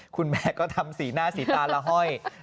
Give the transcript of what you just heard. คุณแม่ก็ทำสีหน้าสีตาละห้อย